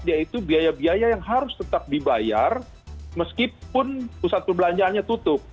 yaitu biaya biaya yang harus tetap dibayar meskipun pusat perbelanjaannya tutup